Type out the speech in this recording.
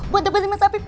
buat depan saya mas afif